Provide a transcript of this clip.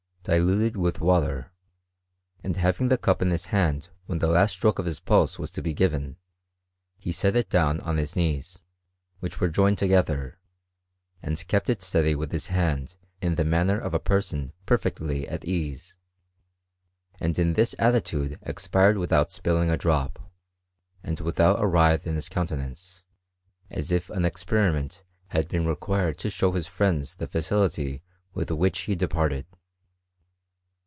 334 HI8T0RT OF CBEMI8TRT« dilated with water, and having the cap in his hand when the last stroke of his pulse was to be given, he set it down on his knees, which were joined together^ and kept it steady with his hand in the manner of « person perfectly at ease ; and in this attitude expired without spilling a drop, and without a writhe in hit countenance; as if an experiment had been xe^ quired to show to his friends the facility with which he departed.